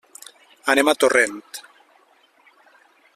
Anem a Torrent.